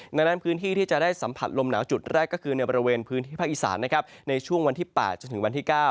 ดังนั้นพื้นที่ที่จะได้สัมผัสลมหนาวจุดแรกก็คือในบริเวณพื้นที่ภาคอีสานในช่วงวันที่๘จนถึงวันที่๙